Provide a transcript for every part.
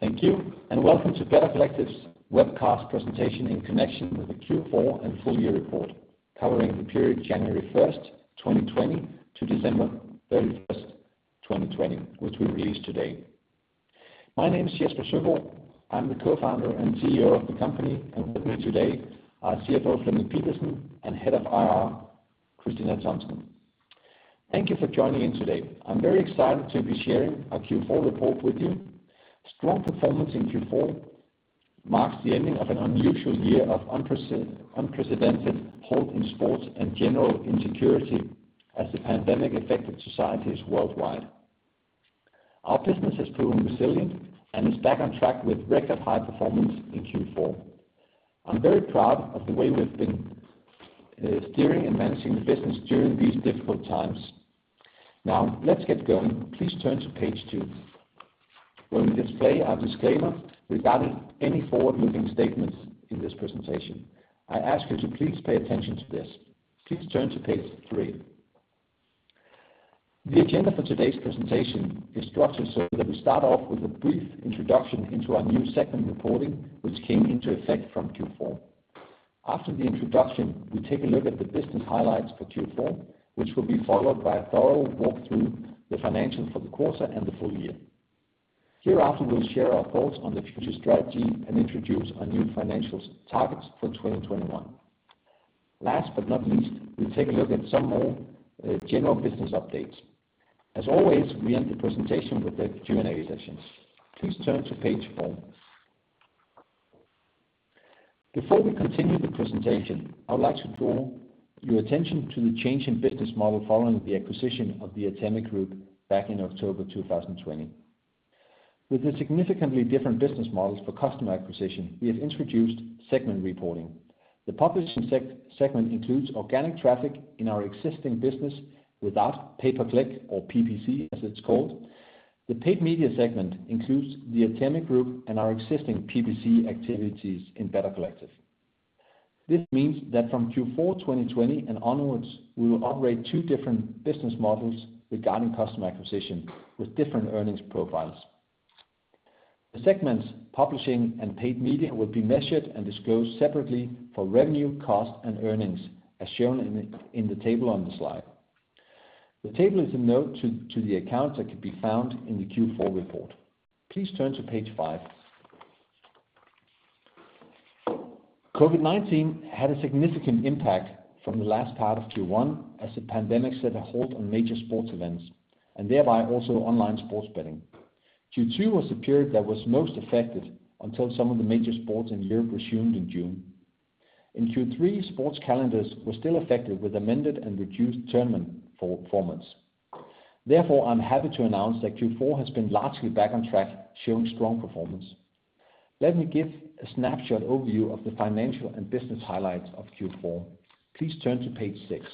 Thank you, and welcome to Better Collective's webcast presentation in connection with the Q4 and full year report covering the period January 1st, 2020 to December 31st, 2020, which we release today. My name is Jesper Søgaard. I'm the co-founder and CEO of the company, and with me today are CFO Flemming Pedersen and Head of IR, Christina Thomsen. Thank you for joining in today. I'm very excited to be sharing our Q4 report with you. Strong performance in Q4 marks the ending of an unusual year of unprecedented halt in sports and general insecurity as the pandemic affected societies worldwide. Our business has proven resilient and is back on track with record high performance in Q4. I'm very proud of the way we've been steering and managing the business during these difficult times. Now, let's get going. Please turn to page two, where we display our disclaimer regarding any forward-looking statements in this presentation. I ask you to please pay attention to this. Please turn to page three. The agenda for today's presentation is structured so that we start off with a brief introduction into our new segment reporting, which came into effect from Q4. After the introduction, we take a look at the business highlights for Q4, which will be followed by a thorough walkthrough the financials for the quarter and the full year. Hereafter, we'll share our thoughts on the future strategy and introduce our new financials targets for 2021. Last but not least, we'll take a look at some more general business updates. As always, we end the presentation with the Q&A sessions. Please turn to page four. Before we continue the presentation, I would like to draw your attention to the change in business model following the acquisition of the Atemi Group back in October 2020. With the significantly different business models for customer acquisition, we have introduced segment reporting. The publishing segment includes organic traffic in our existing business without pay-per-click or PPC, as it's called. The paid media segment includes the Atemi Group and our existing PPC activities in Better Collective. This means that from Q4 2020 and onwards, we will operate two different business models regarding customer acquisition with different earnings profiles. The segments publishing and paid media will be measured and disclosed separately for revenue, cost, and earnings, as shown in the table on the slide. The table is a note to the accounts that can be found in the Q4 report. Please turn to page five. COVID-19 had a significant impact from the last part of Q1 as the pandemic set a halt on major sports events, and thereby also online sports betting. Q2 was the period that was most affected until some of the major sports in Europe resumed in June. In Q3, sports calendars were still affected with amended and reduced tournament performance. Therefore, I'm happy to announce that Q4 has been largely back on track, showing strong performance. Let me give a snapshot overview of the financial and business highlights of Q4. Please turn to page six.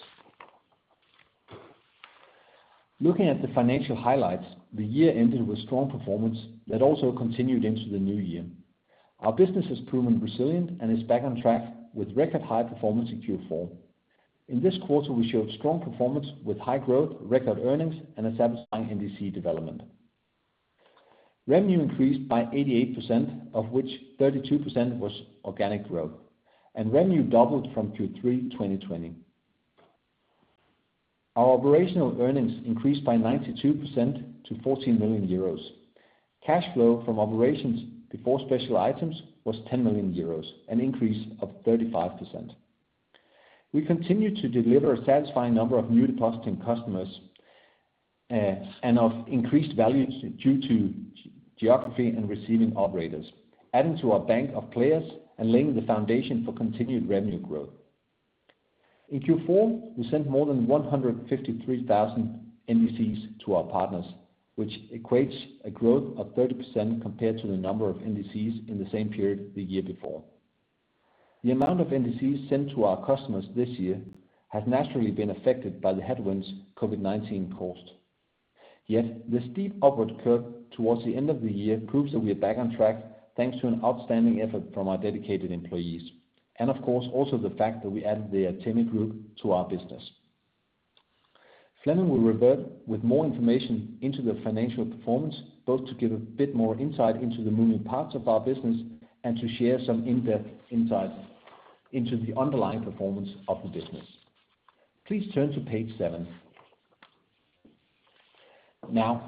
Looking at the financial highlights, the year ended with strong performance that also continued into the new year. Our business has proven resilient and is back on track with record high performance in Q4. In this quarter, we showed strong performance with high growth, record earnings, and a satisfying NDC development. Revenue increased by 88%, of which 32% was organic growth, and revenue doubled from Q3 2020. Our operational earnings increased by 92% to 14 million euros. Cash flow from operations before special items was 10 million euros, an increase of 35%. We continue to deliver a satisfying number of New Depositing Customers and of increased value due to geography and receiving operators, adding to our bank of players and laying the foundation for continued revenue growth. In Q4, we sent more than 153,000 NDCs to our partners, which equates a growth of 30% compared to the number of NDCs in the same period the year before. The amount of NDCs sent to our customers this year has naturally been affected by the headwinds COVID-19 caused. The steep upward curve towards the end of the year proves that we are back on track thanks to an outstanding effort from our dedicated employees, and of course, also the fact that we added the Atemi Group to our business. Flemming will revert with more information into the financial performance, both to give a bit more insight into the moving parts of our business and to share some in-depth insights into the underlying performance of the business. Please turn to page seven.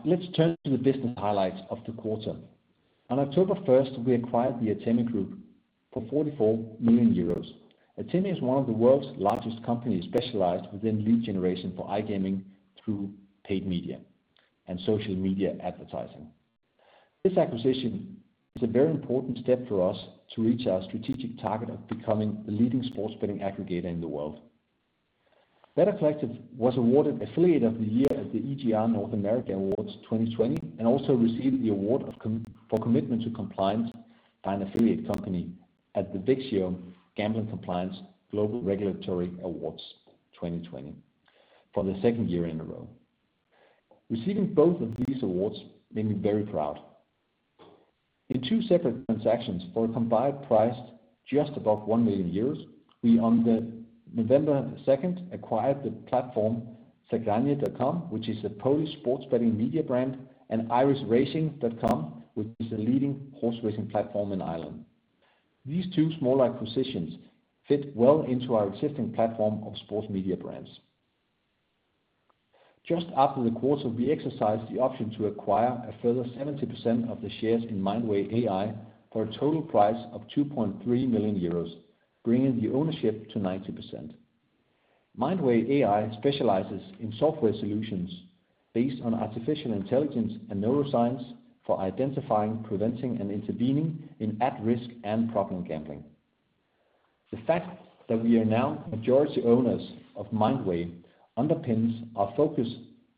Let's turn to the business highlights of the quarter. On October 1st, we acquired the Atemi Group for 44 million euros. Atemi is one of the world's largest companies specialized within lead generation for iGaming through paid media and social media advertising. This acquisition is a very important step for us to reach our strategic target of becoming the leading sports betting aggregator in the world. Better Collective was awarded Affiliate of the Year at the EGR North America Awards 2020 and also received the award for Commitment to Compliance by an Affiliate Company at the VIXIO GamblingCompliance Global Regulatory Awards 2020 for the second year in a row. Receiving both of these awards made me very proud. In two separate transactions for a combined price just above 1 million euros. We on the November 2nd acquired the platform zagranie.com, which is a Polish sports betting media brand, and irishracing.com, which is the leading horse racing platform in Ireland. These two small acquisitions fit well into our existing platform of sports media brands. Just after the quarter, we exercised the option to acquire a further 70% of the shares in Mindway AI for a total price of 2.3 million euros, bringing the ownership to 90%. Mindway AI specializes in software solutions based on artificial intelligence and neuroscience for identifying, preventing, and intervening in at-risk and problem gambling. The fact that we are now majority owners of Mindway underpins our focus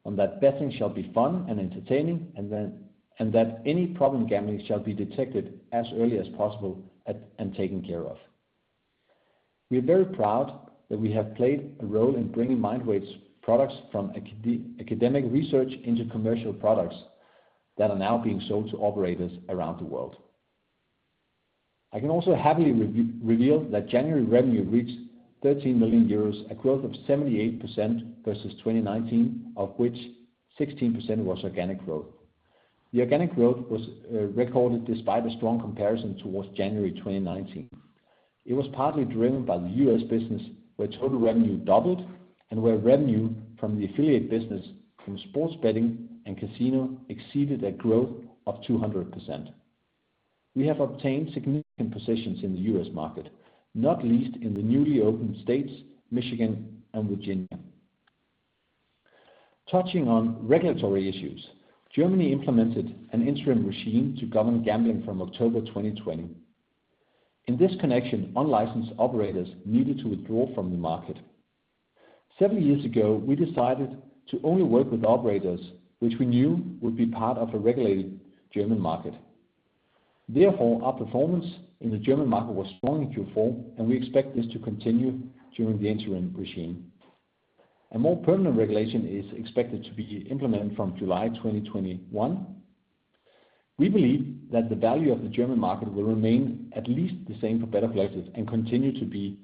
on that betting shall be fun and entertaining, and that any problem gambling shall be detected as early as possible and taken care of. We are very proud that we have played a role in bringing Mindway's products from academic research into commercial products that are now being sold to operators around the world. I can also happily reveal that January revenue reached 13 million euros, a growth of 78% versus 2019, of which 16% was organic growth. The organic growth was recorded despite a strong comparison towards January 2019. It was partly driven by the U.S. business, where total revenue doubled and where revenue from the affiliate business from sports betting and casino exceeded a growth of 200%. We have obtained significant positions in the U.S. market, not least in the newly opened states, Michigan and Virginia. Touching on regulatory issues, Germany implemented an interim regime to govern gambling from October 2020. In this connection, unlicensed operators needed to withdraw from the market. Several years ago, we decided to only work with operators which we knew would be part of a regulated German market. Therefore, our performance in the German market was strong in Q4, and we expect this to continue during the interim regime. A more permanent regulation is expected to be implemented from July 2021. We believe that the value of the German market will remain at least the same for Better Collective and continue to be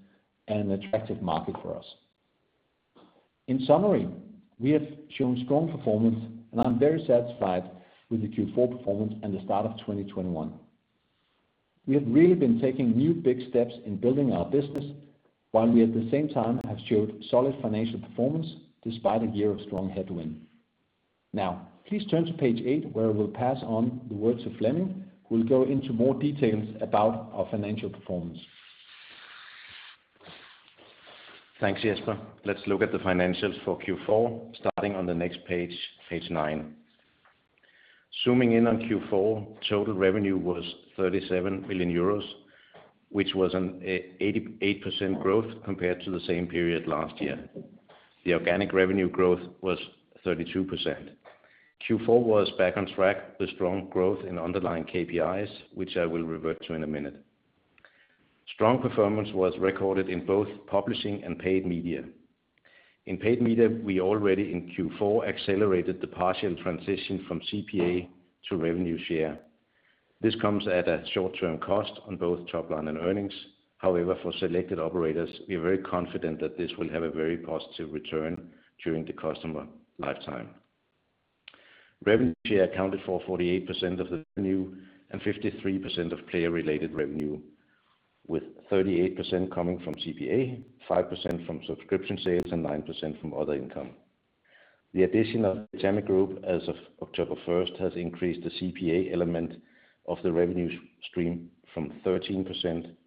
an attractive market for us. In summary, we have shown strong performance, and I'm very satisfied with the Q4 performance and the start of 2021. We have really been taking new big steps in building our business, while we at the same time have showed solid financial performance despite a year of strong headwind. Now please turn to page eight, where I will pass on the words to Flemming, who will go into more details about our financial performance. Thanks, Jesper. Let's look at the financials for Q4, starting on the next page nine. Zooming in on Q4, total revenue was 37 million euros, which was an 88% growth compared to the same period last year. The organic revenue growth was 32%. Q4 was back on track with strong growth in underlying KPIs, which I will revert to in a minute. Strong performance was recorded in both publishing and paid media. In paid media, we already in Q4 accelerated the partial transition from CPA to revenue share. This comes at a short-term cost on both top line and earnings. However, for selected operators, we are very confident that this will have a very positive return during the customer lifetime. Revenue share accounted for 48% of the revenue and 53% of player-related revenue, with 38% coming from CPA, 5% from subscription sales, and 9% from other income. The addition of the Atemi Group as of October 1st has increased the CPA element of the revenue stream from 13%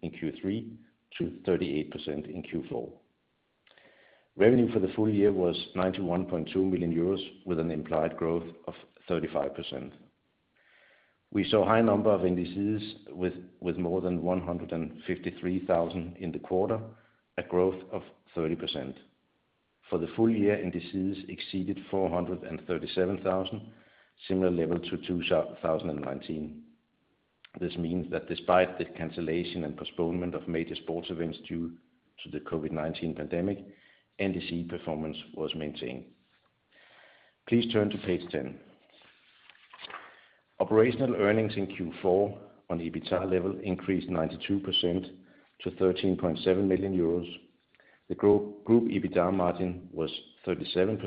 in Q3 to 38% in Q4. Revenue for the full year was 91.2 million euros, with an implied growth of 35%. We saw a high number of NDCs with more than 153,000 in the quarter, a growth of 30%. For the full year, NDCs exceeded 437,000, similar level to 2019. This means that despite the cancellation and postponement of major sports events due to the COVID-19 pandemic, NDC performance was maintained. Please turn to page 10. Operational earnings in Q4 on the EBITDA level increased 92% to 13.7 million euros. The group EBITDA margin was 37%,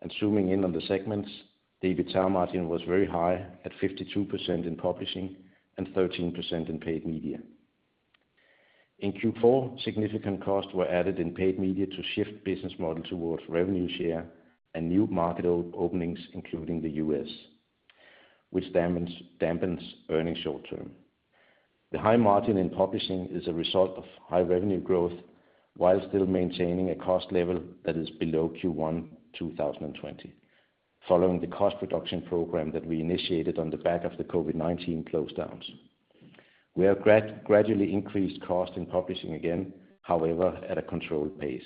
and zooming in on the segments, the EBITDA margin was very high at 52% in publishing and 13% in paid media. In Q4, significant costs were added in paid media to shift business model towards revenue share and new market openings, including the U.S., which dampens earnings short-term. The high margin in publishing is a result of high revenue growth while still maintaining a cost level that is below Q1 2020, following the cost reduction program that we initiated on the back of the COVID-19 close downs. We have gradually increased cost in publishing again, however, at a controlled pace.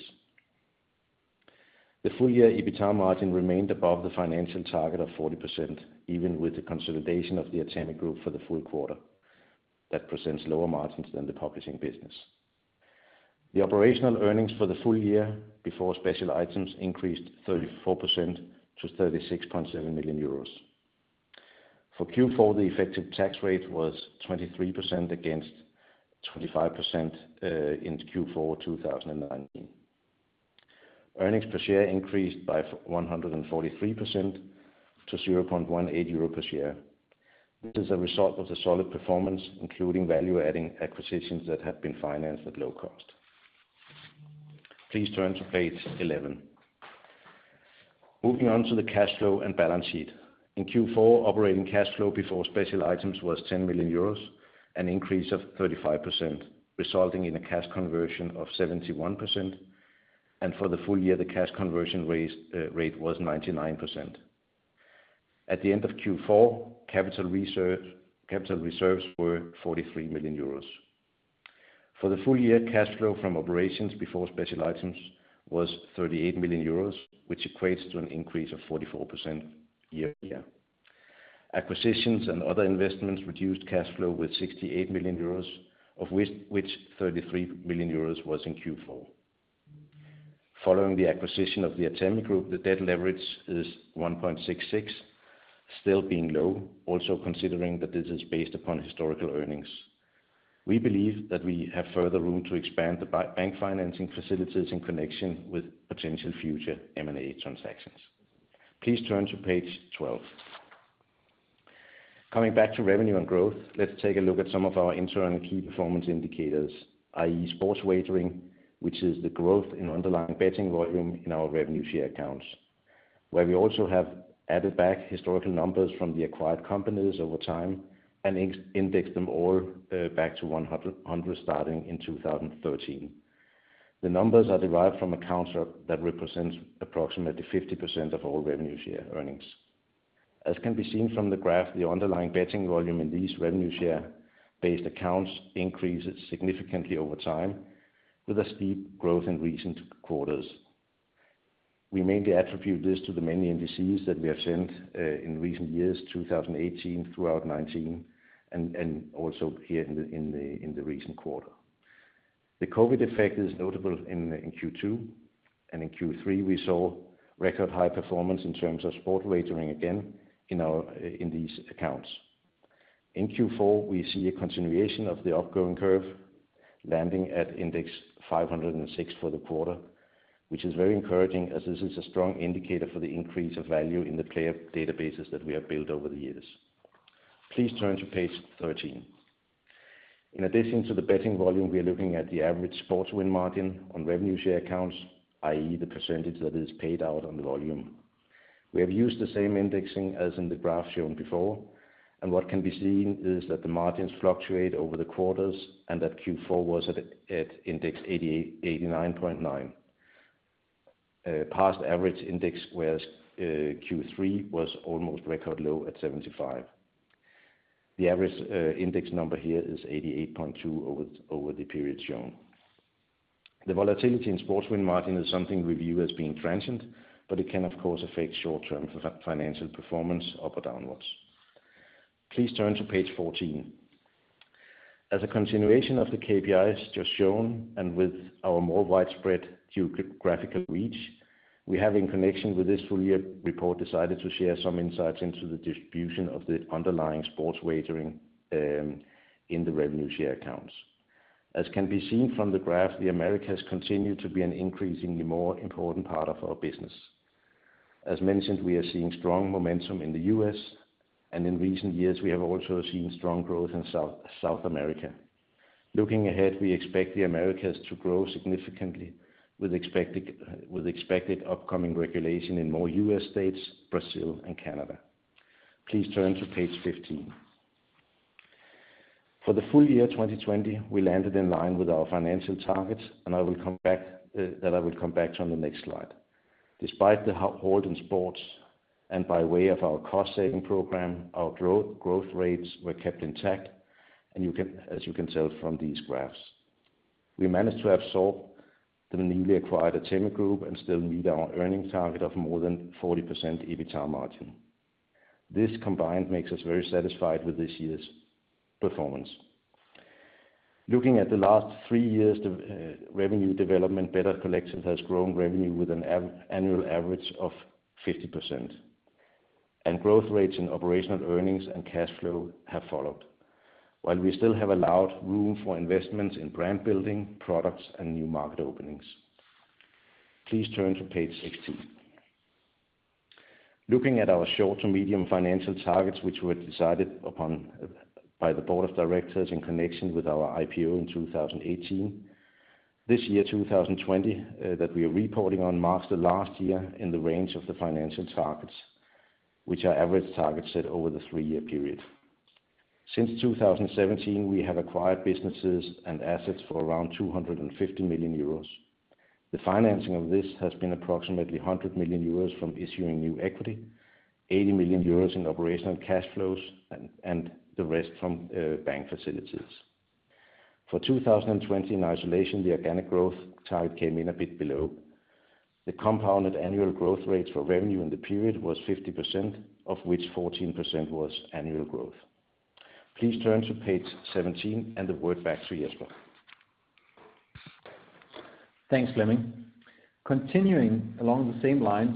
The full-year EBITDA margin remained above the financial target of 40%, even with the consolidation of the Atemi Group for the full quarter. That presents lower margins than the publishing business. The operational earnings for the full year before special items increased 34% to 36.7 million euros. For Q4, the effective tax rate was 23% against 25% in Q4 2019. Earnings per share increased by 143% to 0.18 euro per share. This is a result of the solid performance, including value-adding acquisitions that have been financed at low cost. Please turn to page 11. Moving on to the cash flow and balance sheet. In Q4, operating cash flow before special items was 10 million euros, an increase of 35%, resulting in a cash conversion of 71%. For the full year, the cash conversion rate was 99%. At the end of Q4, capital reserves were 43 million euros. For the full-year cash flow from operations before special items was 38 million euros, which equates to an increase of 44% year-over-year. Acquisitions and other investments reduced cash flow with 68 million euros, of which 33 million euros was in Q4. Following the acquisition of the Atemi Group, the debt leverage is 1.66, still being low, also considering that this is based upon historical earnings. We believe that we have further room to expand the bank financing facilities in connection with potential future M&A transactions. Please turn to page 12. Coming back to revenue and growth, let's take a look at some of our internal key performance indicators, i.e. sports wagering, which is the growth in underlying betting volume in our revenue share accounts, where we also have added back historical numbers from the acquired companies over time and indexed them all back to 100, starting in 2013. The numbers are derived from accounts that represent approximately 50% of all revenue share earnings. As can be seen from the graph, the underlying betting volume in these revenue share-based accounts increases significantly over time, with a steep growth in recent quarters. We mainly attribute this to the many NDCs that we have signed in recent years, 2018 throughout 2019, and also here in the recent quarter. The COVID effect is notable in Q2, and in Q3, we saw record high performance in terms of sport wagering again in these accounts. In Q4, we see a continuation of the upcoming curve landing at index 506 for the quarter, which is very encouraging as this is a strong indicator for the increase of value in the player databases that we have built over the years. Please turn to page 13. In addition to the betting volume, we are looking at the average sports win margin on revenue share accounts, i.e. the percentage that is paid out on the volume. We have used the same indexing as in the graph shown before, and what can be seen is that the margins fluctuate over the quarters and that Q4 was at index 89.9 past average index, whereas Q3 was almost record low at 75. The average index number here is 88.2 over the period shown. The volatility in sports win margin is something we view as being transient, but it can, of course, affect short-term financial performance up or downwards. Please turn to page 14. As a continuation of the KPIs just shown and with our more widespread geographical reach, we have, in connection with this full-year report, decided to share some insights into the distribution of the underlying sports wagering in the revenue share accounts. As can be seen from the graph, the Americas continue to be an increasingly more important part of our business. As mentioned, we are seeing strong momentum in the U.S., and in recent years, we have also seen strong growth in South America. Looking ahead, we expect the Americas to grow significantly with expected upcoming regulation in more U.S. states, Brazil, and Canada. Please turn to page 15. For the full year 2020, we landed in line with our financial targets, that I will come back to on the next slide. Despite the halt in sports and by way of our cost-saving program, our growth rates were kept intact, as you can tell from these graphs. We managed to absorb the newly acquired Atemi Group and still meet our earnings target of more than 40% EBITDA margin. This combined makes us very satisfied with this year's performance. Looking at the last three years' revenue development, Better Collective has grown revenue with an annual average of 50%, and growth rates in operational earnings and cash flow have followed, while we still have allowed room for investments in brand building, products, and new market openings. Please turn to page 16. Looking at our short to medium financial targets, which were decided upon by the board of directors in connection with our IPO in 2018. This year, 2020, that we are reporting on marks the last year in the range of the financial targets, which are average targets set over the three-year period. Since 2017, we have acquired businesses and assets for around 250 million euros. The financing of this has been approximately 100 million euros from issuing new equity, 80 million euros in operational cash flows, and the rest from bank facilities. For 2020 in isolation, the organic growth target came in a bit below. The compounded annual growth rates for revenue in the period was 50%, of which 14% was annual growth. Please turn to page 17 and the word back to Jesper. Thanks, Flemming. Continuing along the same lines,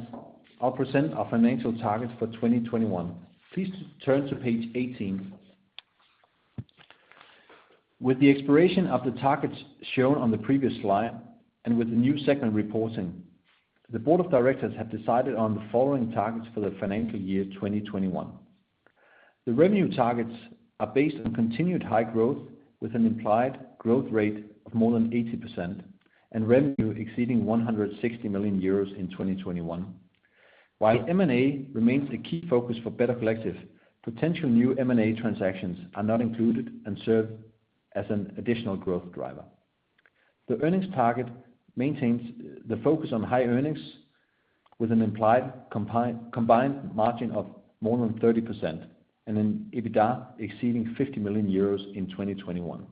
I'll present our financial targets for 2021. Please turn to page 18. With the expiration of the targets shown on the previous slide, and with the new segment reporting, the board of directors have decided on the following targets for the financial year 2021. The revenue targets are based on continued high growth, with an implied growth rate of more than 80% and revenue exceeding 160 million euros in 2021. While M&A remains a key focus for Better Collective, potential new M&A transactions are not included and serve as an additional growth driver. The earnings target maintains the focus on high earnings with an implied combined margin of more than 30% and an EBITDA exceeding 50 million euros in 2021.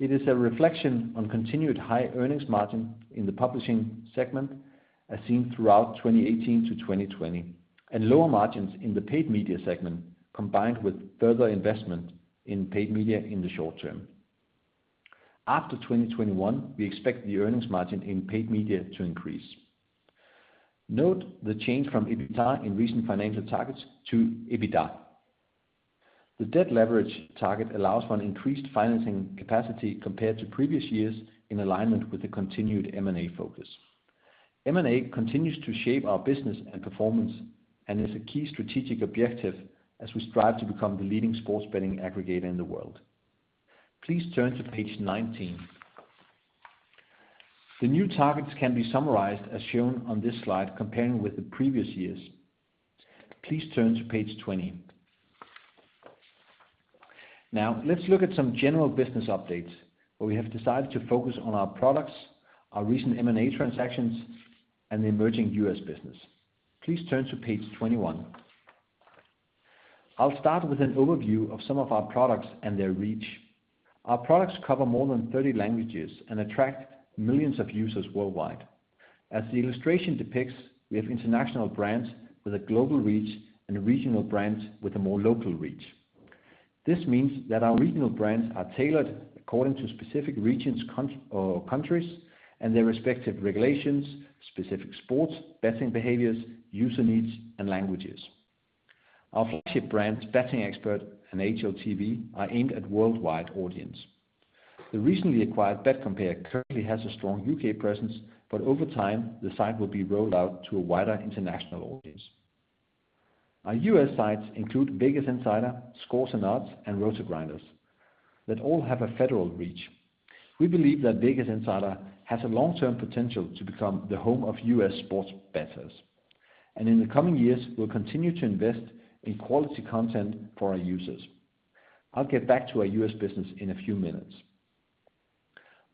It is a reflection on continued high earnings margin in the publishing segment, as seen throughout 2018 to 2020, and lower margins in the paid media segment, combined with further investment in paid media in the short-term. After 2021, we expect the earnings margin in paid media to increase. Note the change from EBITA in recent financial targets to EBITDA. The debt leverage target allows for an increased financing capacity compared to previous years, in alignment with the continued M&A focus. M&A continues to shape our business and performance and is a key strategic objective as we strive to become the leading sports betting aggregator in the world. Please turn to page 19. The new targets can be summarized as shown on this slide, comparing with the previous years. Please turn to page 20. Now, let's look at some general business updates, where we have decided to focus on our products, our recent M&A transactions, and the emerging U.S. business. Please turn to page 21. I'll start with an overview of some of our products and their reach. Our products cover more than 30 languages and attract millions of users worldwide. As the illustration depicts, we have international brands with a global reach and regional brands with a more local reach. This means that our regional brands are tailored according to specific regions or countries and their respective regulations, specific sports, betting behaviors, user needs and languages. Our flagship brands, bettingexpert and HLTV, are aimed at worldwide audience. The recently acquired betCompare currently has a strong U.K. presence, but over time the site will be rolled out to a wider international audience. Our U.S. sites include VegasInsider, ScoresAndOdds, and RotoGrinders, that all have a federal reach. We believe that VegasInsider has a long-term potential to become the home of U.S. sports bettors, and in the coming years, we'll continue to invest in quality content for our users. I'll get back to our U.S. business in a few minutes.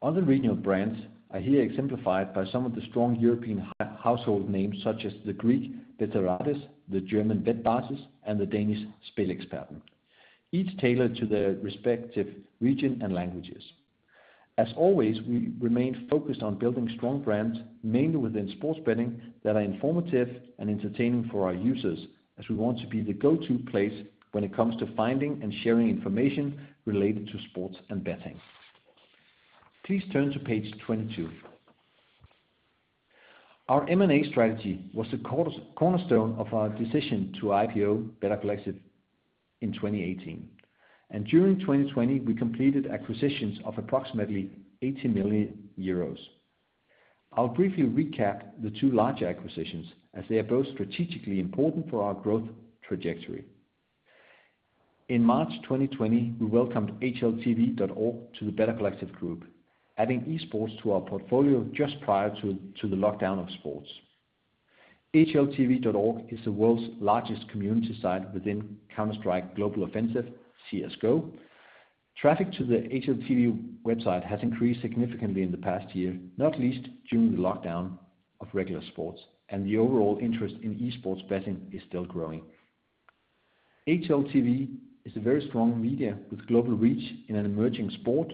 Other regional brands are here exemplified by some of the strong European household names, such as the Greek Betarades, the German Wettbasis, and the Danish SpilXperten. Each tailored to their respective region and languages. As always, we remain focused on building strong brands, mainly within sports betting, that are informative and entertaining for our users, as we want to be the go-to place when it comes to finding and sharing information related to sports and betting. Please turn to page 22. Our M&A strategy was the cornerstone of our decision to IPO Better Collective in 2018. During 2020, we completed acquisitions of approximately 80 million euros. I'll briefly recap the two larger acquisitions, as they are both strategically important for our growth trajectory. In March 2020, we welcomed HLTV.org to the Better Collective group, adding esports to our portfolio just prior to the lockdown of sports. HLTV.org is the world's largest community site within Counter-Strike: Global Offensive, CS:GO. Traffic to the HLTV website has increased significantly in the past year, not least during the lockdown of regular sports, and the overall interest in esports betting is still growing. HLTV is a very strong media with global reach in an emerging sport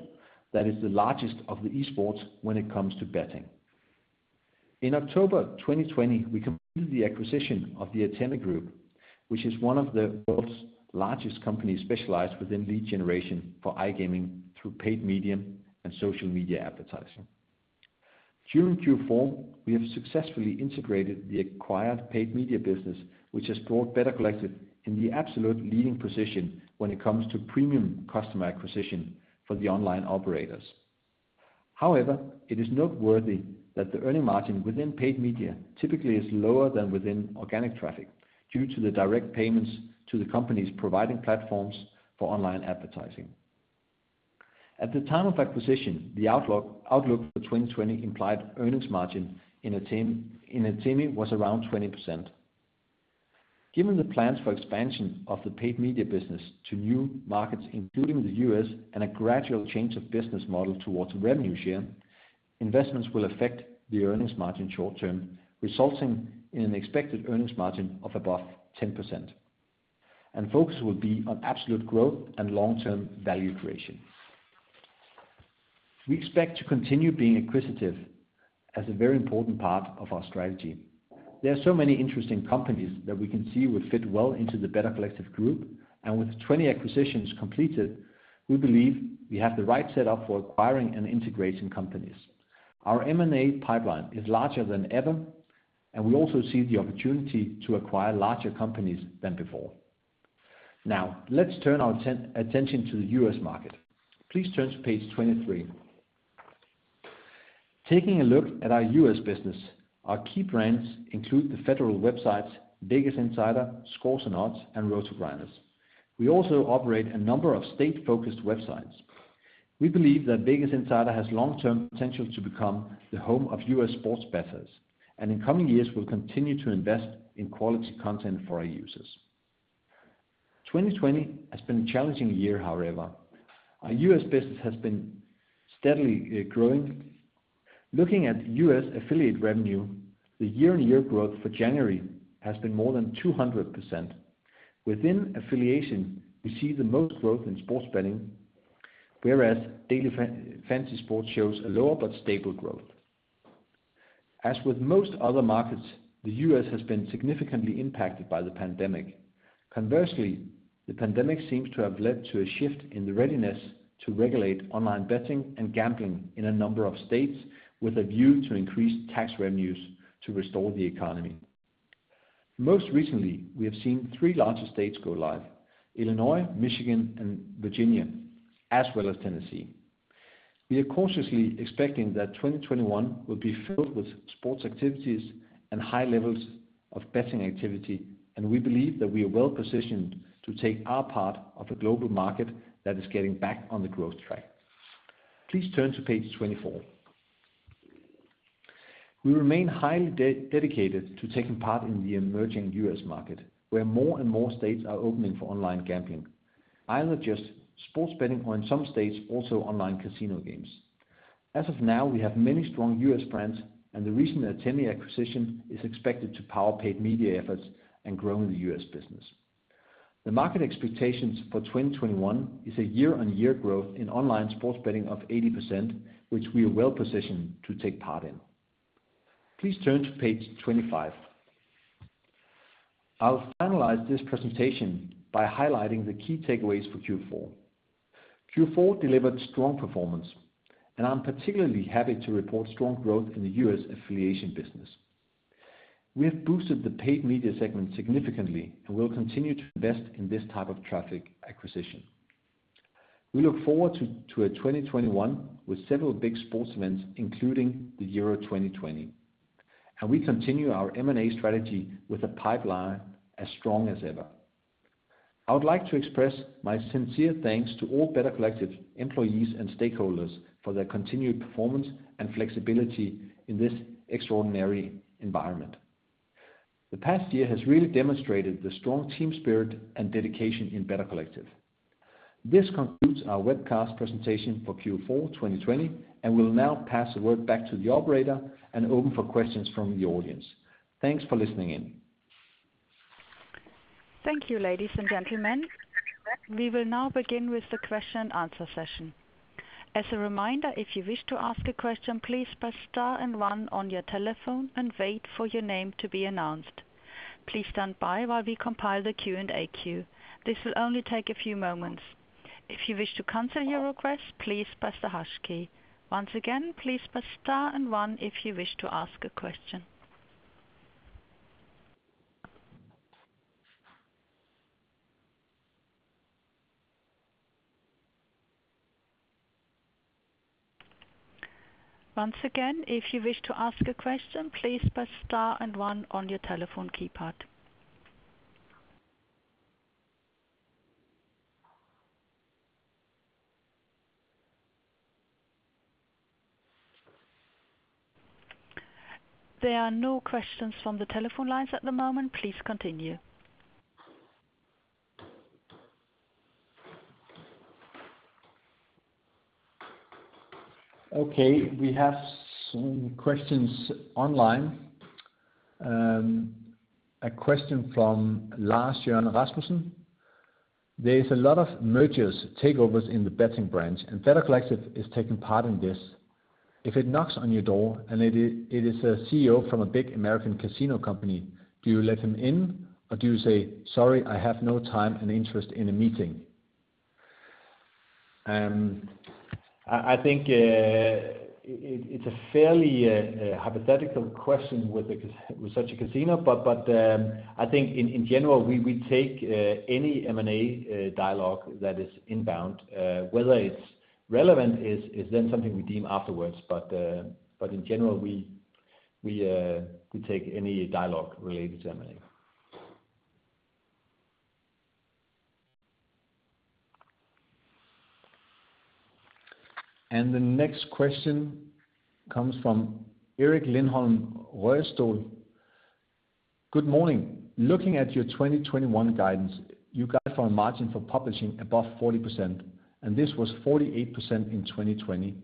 that is the largest of the esports when it comes to betting. In October 2020, we completed the acquisition of the Atemi Group, which is one of the world's largest companies specialized within lead generation for iGaming through paid media and social media advertising. During Q4, we have successfully integrated the acquired paid media business, which has brought Better Collective in the absolute leading position when it comes to premium customer acquisition for the online operators. It is noteworthy that the earning margin within paid media typically is lower than within organic traffic due to the direct payments to the companies providing platforms for online advertising. At the time of acquisition, the outlook for 2020 implied earnings margin in Atemi was around 20%. Given the plans for expansion of the paid media business to new markets, including the U.S., and a gradual change of business model towards revenue share, investments will affect the earnings margin short-term, resulting in an expected earnings margin of above 10%, and focus will be on absolute growth and long-term value creation. We expect to continue being acquisitive as a very important part of our strategy. There are so many interesting companies that we can see would fit well into the Better Collective group, and with 20 acquisitions completed, we believe we have the right setup for acquiring and integrating companies. Our M&A pipeline is larger than ever, and we also see the opportunity to acquire larger companies than before. Now, let's turn our attention to the U.S. market. Please turn to page 23. Taking a look at our U.S. business, our key brands include the several websites VegasInsider, ScoresAndOdds, and RotoGrinders. We also operate a number of state-focused websites. We believe that VegasInsider has long-term potential to become the home of U.S. sports bettors, and in coming years, we'll continue to invest in quality content for our users. 2020 has been a challenging year, however. Our U.S. business has been steadily growing. Looking at U.S. affiliate revenue, the year-on-year growth for January has been more than 200%. Within affiliation, we see the most growth in sports betting, whereas daily fantasy sports shows a lower but stable growth. As with most other markets, the U.S. has been significantly impacted by the pandemic. Conversely, the pandemic seems to have led to a shift in the readiness to regulate online betting and gambling in a number of states with a view to increase tax revenues to restore the economy. Most recently, we have seen three larger states go live, Illinois, Michigan, and Virginia, as well as Tennessee. We are cautiously expecting that 2021 will be filled with sports activities and high levels of betting activity, and we believe that we are well-positioned to take our part of the global market that is getting back on the growth track. Please turn to page 24. We remain highly dedicated to taking part in the emerging U.S. market, where more and more states are opening for online gambling, either just sports betting or in some states, also online casino games. As of now, we have many strong U.S. brands. The recent Atemi acquisition is expected to power paid media efforts and grow the U.S. business. The market expectations for 2021 is a year-on-year growth in online sports betting of 80%, which we are well-positioned to take part in. Please turn to page 25. I'll finalize this presentation by highlighting the key takeaways for Q4. Q4 delivered strong performance. I'm particularly happy to report strong growth in the U.S. affiliation business. We have boosted the paid media segment significantly. We will continue to invest in this type of traffic acquisition. We look forward to 2021 with several big sports events, including the Euro 2020. We continue our M&A strategy with a pipeline as strong as ever. I would like to express my sincere thanks to all Better Collective employees and stakeholders for their continued performance and flexibility in this extraordinary environment. The past year has really demonstrated the strong team spirit and dedication in Better Collective. This concludes our webcast presentation for Q4 2020, and we'll now pass the word back to the operator and open for questions from the audience. Thanks for listening in. Thank you, ladies and gentlemen. We will now begin with the question-and-answer session. As a reminder, if you wish to ask a question, please press star and one on your telephone and wait for your name to be announced. Please stand by while we compile the Q&A queue. This will only take a few moments. If you wish to cancel your request, please press the hash key. Once again, please press star and one if you wish to ask a question. Once again, if you wish to ask a question, please press star and one on your telephone keypad. There are no questions from the telephone lines at the moment. Please continue. Okay. We have some questions online. A question from Lars Jørgen Rasmussen. There is a lot of mergers, takeovers in the betting branch, and Better Collective is taking part in this. If it knocks on your door and it is a CEO from a big American casino company, do you let him in or do you say, "Sorry, I have no time and interest in a meeting"? I think it's a fairly hypothetical question with such a casino, but I think in general, we take any M&A dialogue that is inbound. Whether it's relevant is then something we deem afterwards. In general, we take any dialogue related to M&A. The next question comes from Erik Lindholm-Röjestål. Good morning. Looking at your 2021 guidance, you got our margin for publishing above 40%, and this was 48% in 2020.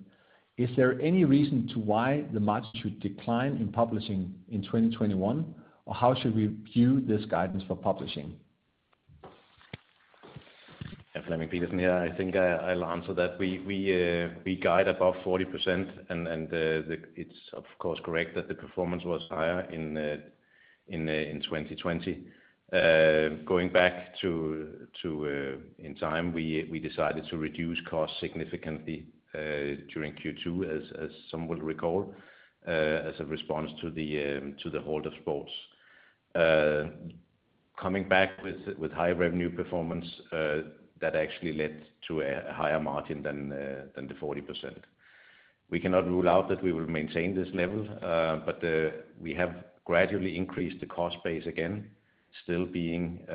Is there any reason to why the margin should decline in publishing in 2021? How should we view this guidance for publishing? Flemming Pedersen here. I think I'll answer that. We guide above 40%, and it's of course correct that the performance was higher in 2020. Going back in time, we decided to reduce costs significantly during Q2, as some will recall, as a response to the halt of sports. Coming back with high revenue performance, that actually led to a higher margin than the 40%. We cannot rule out that we will maintain this level, but we have gradually increased the cost base again, still being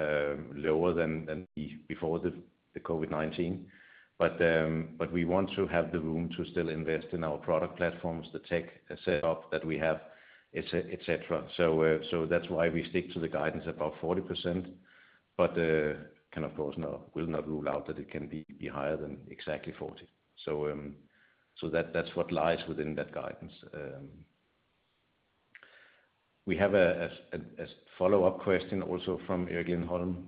lower than before the COVID-19. We want to have the room to still invest in our product platforms, the tech setup that we have, et cetera. That's why we stick to the guidance above 40%, but of course, will not rule out that it can be higher than exactly 40%. That's what lies within that guidance. We have a follow-up question also from Erik Lindholm.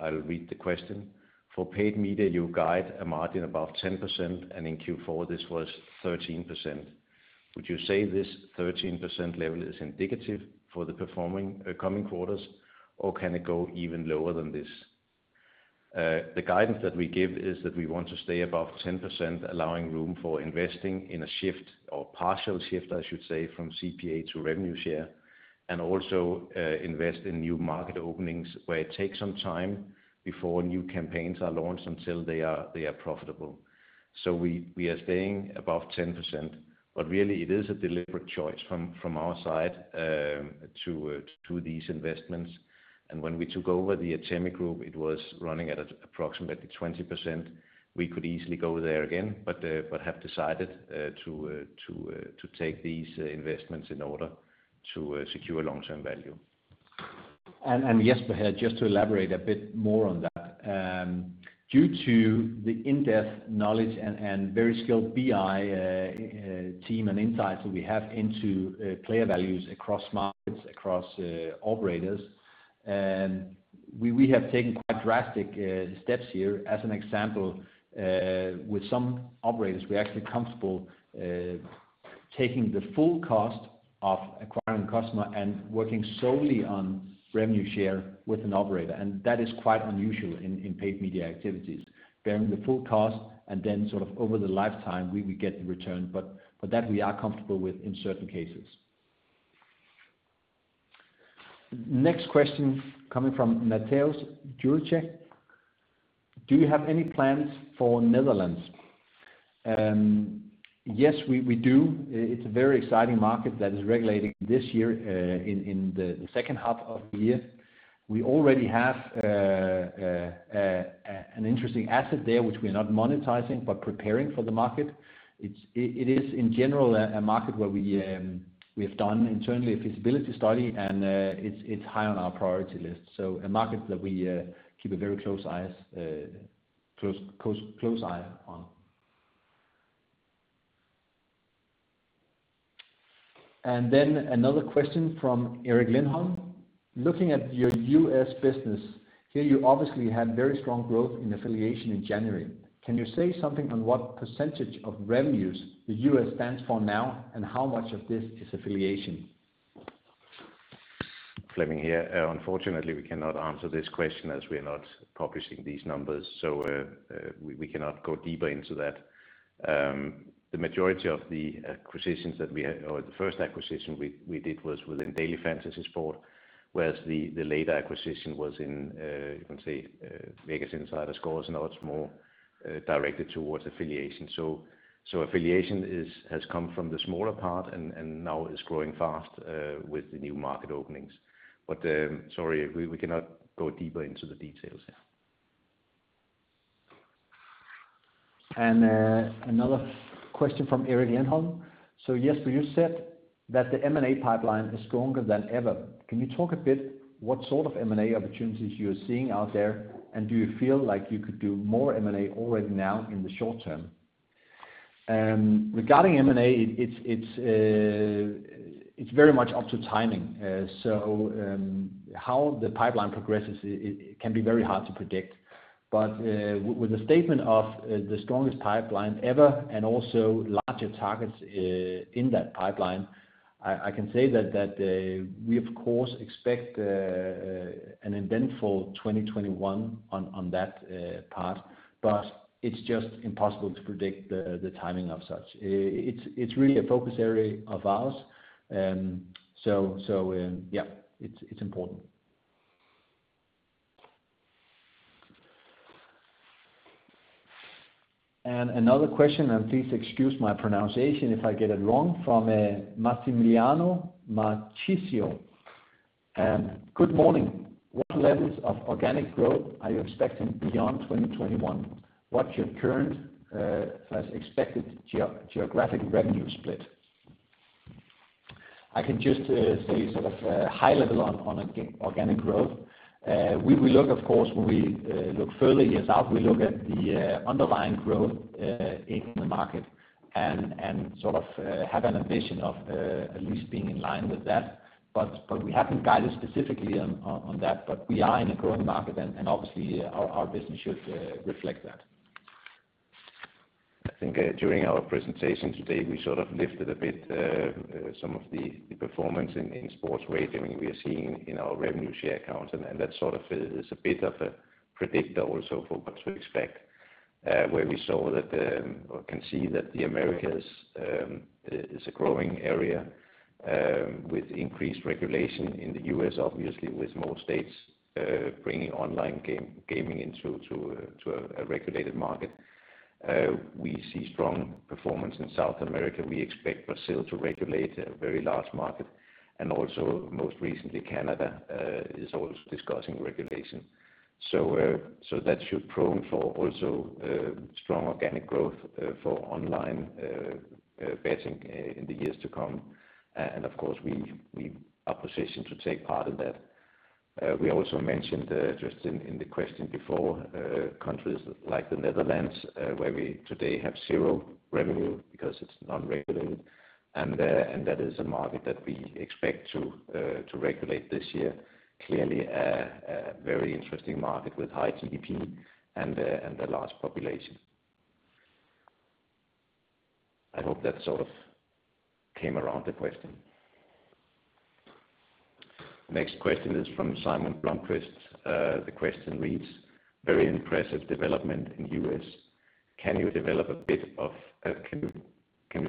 I'll read the question. "For paid media, you guide a margin above 10%, and in Q4 this was 13%. Would you say this 13% level is indicative for the coming quarters, or can it go even lower than this?" The guidance that we give is that we want to stay above 10%, allowing room for investing in a shift, or partial shift I should say, from CPA to revenue share, and also invest in new market openings where it takes some time before new campaigns are launched until they are profitable. We are staying above 10%, but really it is a deliberate choice from our side to these investments. When we took over the Atemi Group, it was running at approximately 20%. We could easily go there again, but have decided to take these investments in order to secure long-term value. Jesper here, just to elaborate a bit more on that. Due to the in-depth knowledge and very skilled BI team and insights that we have into player values across markets, across operators, we have taken quite drastic steps here. As an example, with some operators, we are actually comfortable taking the full cost of acquiring a customer and working solely on revenue share with an operator. That is quite unusual in paid media activities. Bearing the full cost, and then sort of over the lifetime, we would get the return. That we are comfortable with in certain cases. Next question coming from Mateusz Juroszek. Do you have any plans for Netherlands? Yes, we do. It's a very exciting market that is regulating this year in the second half of the year. We already have an interesting asset there, which we are not monetizing, but preparing for the market. It is in general a market where we have done internally a feasibility study. It's high on our priority list. A market that we keep a very close eye on. Another question from Erik Lindholm. "Looking at your U.S. business, here you obviously had very strong growth in affiliation in January. Can you say something on what percentage of revenues the U.S. stands for now and how much of this is affiliation? Flemming here. Unfortunately, we cannot answer this question as we are not publishing these numbers. We cannot go deeper into that. The majority of the acquisitions that we or the first acquisition we did was within daily fantasy sports, whereas the later acquisition was in, you can say VegasInsider ScoresAndOdds more directed towards affiliation. Affiliation has come from the smaller part and now is growing fast with the new market openings. Sorry, we cannot go deeper into the details here. Another question from Erik Lindholm. "Jesper, you said that the M&A pipeline is stronger than ever. Can you talk a bit what sort of M&A opportunities you are seeing out there, and do you feel like you could do more M&A already now in the short term?" Regarding M&A, it's very much up to timing. How the pipeline progresses can be very hard to predict. With the statement of the strongest pipeline ever and also larger targets in that pipeline, I can say that we of course expect an eventful 2021 on that part, but it's just impossible to predict the timing of such. It's really a focus area of ours. Yeah, it's important. Another question, and please excuse my pronunciation if I get it wrong, from Massimiliano Marchisio. "Good morning. What levels of organic growth are you expecting beyond 2021? What's your current expected geographic revenue split?" I can just say sort of high level on organic growth. When we look further years out, we look at the underlying growth in the market and sort of have an ambition of at least being in line with that. We haven't guided specifically on that, but we are in a growing market, and obviously our business should reflect that. I think during our presentation today, we lifted a bit some of the performance in sports wagering we are seeing in our revenue share accounts, that is a bit of a predictor also for what to expect, where we can see that the Americas is a growing area with increased regulation in the U.S., obviously with more states bringing online gaming into a regulated market. We see strong performance in South America. We expect to regulate a very large market and also most recently Canada is also discussing regulation. That should prone for also strong organic growth for online betting in the years to come, Of course, we are positioned to take part in that. We also mentioned just in the question before, countries like the Netherlands where we today have zero revenue because it's not regulated, and that is a market that we expect to regulate this year. Clearly a very interesting market with high GDP and a large population. I hope that sort of came around the question. Next question is from Simon Blomquist. The question reads, "Very impressive development in U.S. Can you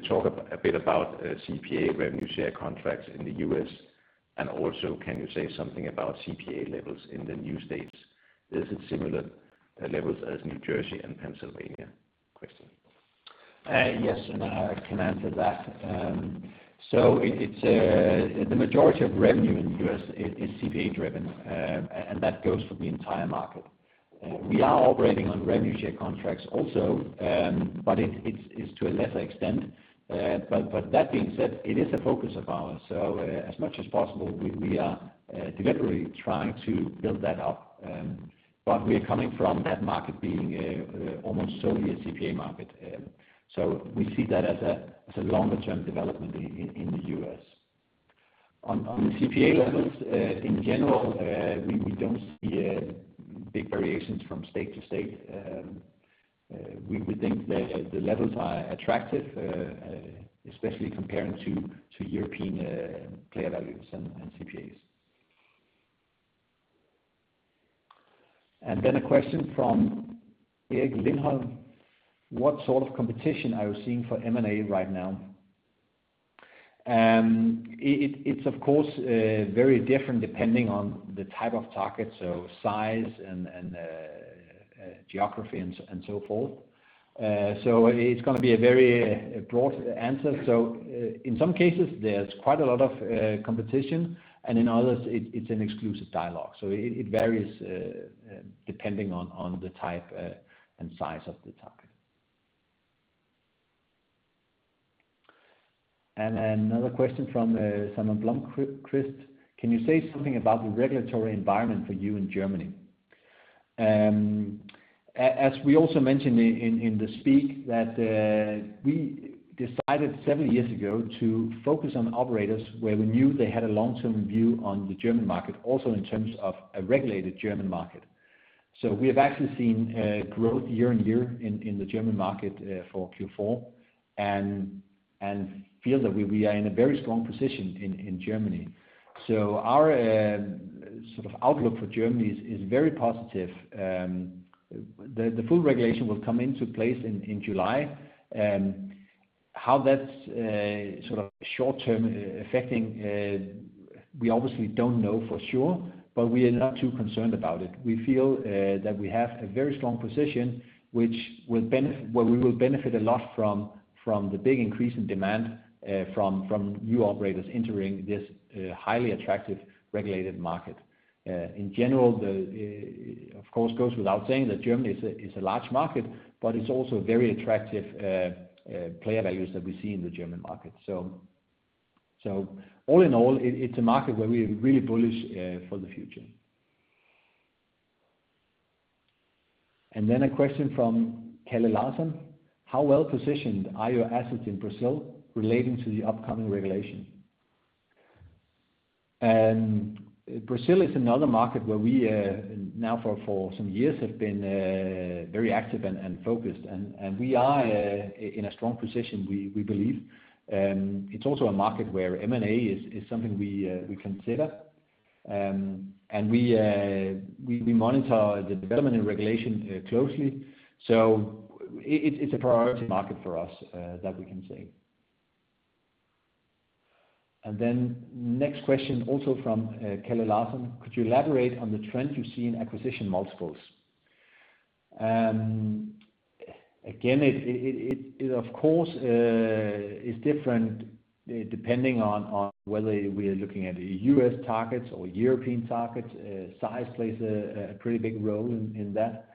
talk a bit about CPA revenue share contracts in the U.S., and also can you say something about CPA levels in the new states? Is it similar levels as New Jersey and Pennsylvania?" Question. Yes, I can answer that. The majority of revenue in the U.S. is CPA-driven, and that goes for the entire market. We are operating on revenue share contracts also, but it's to a lesser extent. That being said, it is a focus of ours, so as much as possible, we are deliberately trying to build that up. We're coming from that market being almost solely a CPA market. We see that as a longer-term development in the U.S. On the CPA levels, in general we don't see big variations from state to state. We would think that the levels are attractive, especially comparing to European player values and CPAs. A question from Erik Lindholm, "What sort of competition are you seeing for M&A right now?" It's of course very different depending on the type of target, so size and geography and so forth. It's going to be a very broad answer. In some cases, there's quite a lot of competition, and in others it's an exclusive dialogue. It varies depending on the type and size of the target. Another question from Simon Blomquist. Can you say something about the regulatory environment for you in Germany? As we also mentioned in the speak, that we decided seven years ago to focus on operators where we knew they had a long-term view on the German market, also in terms of a regulated German market. We have actually seen growth year on year in the German market for Q4 and feel that we are in a very strong position in Germany. Our outlook for Germany is very positive. The full regulation will come into place in July. How that's short term affecting we obviously don't know for sure, but we are not too concerned about it. We feel that we have a very strong position where we will benefit a lot from the big increase in demand from new operators entering this highly attractive regulated market. In general, of course goes without saying that Germany is a large market, but it's also very attractive player values that we see in the German market. All in all, it's a market where we're really bullish for the future. Then a question from Kalle Larsson. "How well-positioned are your assets in Brazil relating to the upcoming regulation?" Brazil is another market where we now for some years have been very active and focused, and we are in a strong position, we believe. It's also a market where M&A is something we consider. We monitor the development and regulation closely. It's a priority market for us, that we can say. Next question, also from Kalle Larsson. Could you elaborate on the trend you see in acquisition multiples? Again, it of course is different depending on whether we are looking at U.S. targets or European targets. Size plays a pretty big role in that.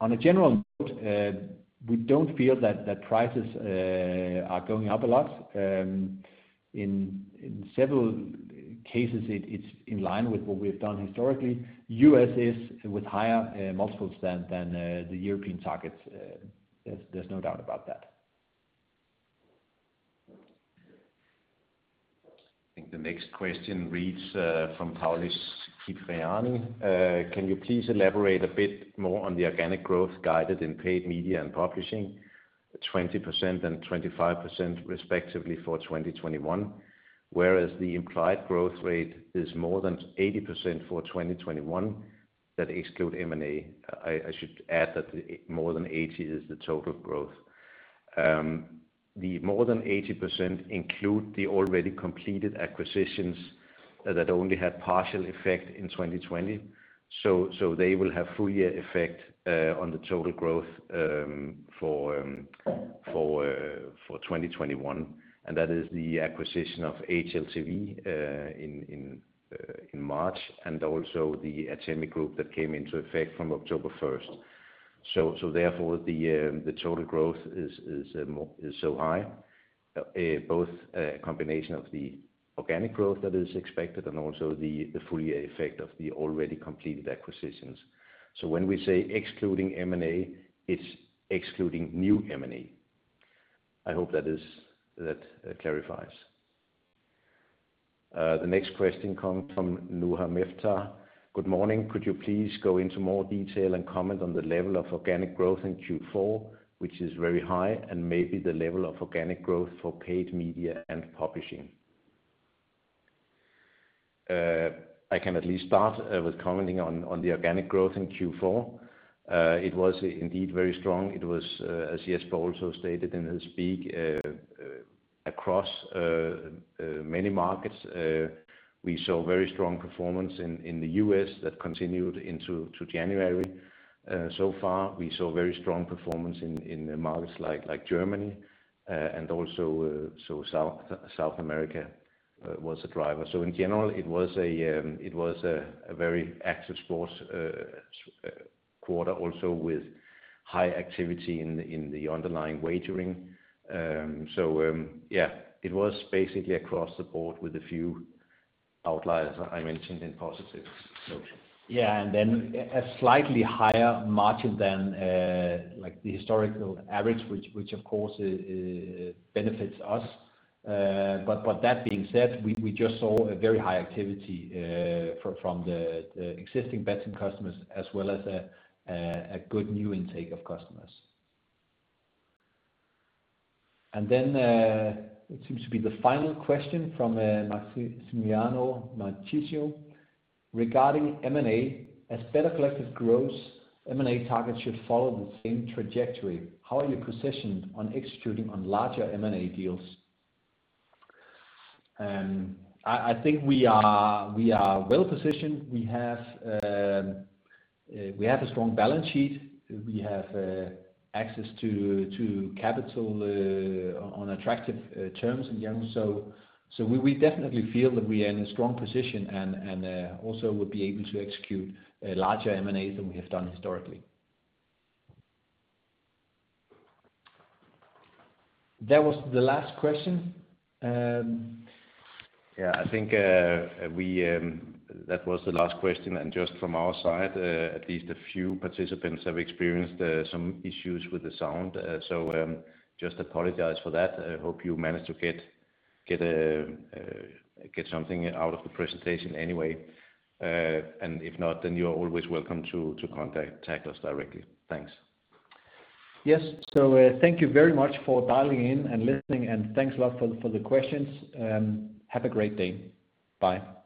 On a general note, we don't feel that prices are going up a lot. In several cases, it's in line with what we've done historically. U.S. is with higher multiples than the European targets. There's no doubt about that. I think the next question reads from [Paulis Cipriani]: Can you please elaborate a bit more on the organic growth guided in paid media and publishing? 20% and 25% respectively for 2021, whereas the implied growth rate is more than 80% for 2021 that exclude M&A. I should add that more than 80% is the total growth. The more than 80% include the already completed acquisitions that only had partial effect in 2020. They will have full year effect on the total growth for 2021, and that is the acquisition of HLTV in March, and also the Atemi Group that came into effect from October 1st. Therefore, the total growth is so high, both a combination of the organic growth that is expected and also the full year effect of the already completed acquisitions. When we say excluding M&A, it's excluding new M&A. I hope that clarifies. The next question comes from [Newham Iftar]: Good morning. Could you please go into more detail and comment on the level of organic growth in Q4, which is very high, and maybe the level of organic growth for paid media and publishing. I can at least start with commenting on the organic growth in Q4. It was indeed very strong. It was, as Jesper also stated in his speech, across many markets. We saw very strong performance in the U.S. that continued into January. Far, we saw very strong performance in the markets like Germany and also South America was a driver. In general, it was a very active sports quarter also with high activity in the underlying wagering. Yeah, it was basically across the board with a few outliers I mentioned in positives. Yeah, then a slightly higher margin than the historical average, which of course benefits us. That being said, we just saw a very high activity from the existing betting customers as well as a good new intake of customers. Then it seems to be the final question from Massimiliano Marchisio: Regarding M&A, as Better Collective grows, M&A targets should follow the same trajectory. How are you positioned on executing on larger M&A deals? I think we are well-positioned. We have a strong balance sheet. We have access to capital on attractive terms in general, we definitely feel that we are in a strong position and also would be able to execute larger M&As than we have done historically. That was the last question. Yeah, I think that was the last question, and just from our side, at least a few participants have experienced some issues with the sound. Just apologize for that. I hope you managed to get something out of the presentation anyway. If not, then you are always welcome to contact us directly. Thanks. Yes. Thank you very much for dialing in and listening, and thanks a lot for the questions. Have a great day. Bye.